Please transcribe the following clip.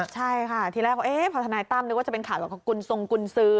ใช่ค่ะทีแรกพอทนายตั้มนึกว่าจะเป็นข่าวแบบกุลทรงกุญซื้อ